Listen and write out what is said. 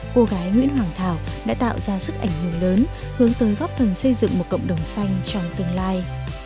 cô gái nguyễn hoàng thảo đã tạo ra sức ảnh hưởng lớn hướng tới góp phần xây dựng một cộng đồng xanh trong tương lai